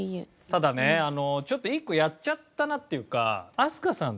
ただねちょっと一個やっちゃったなっていうか。